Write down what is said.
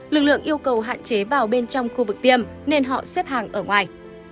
lực lượng yêu cầu hạn chế vào bên trong khu vực tiêm nên họ xếp hàng ở ngoài